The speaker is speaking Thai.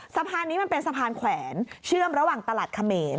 สะพานนี้มันเป็นสะพานแขวนเชื่อมระหว่างตลาดเขมร